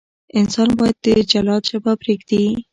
انسان باید د جلاد ژبه پرېږدي.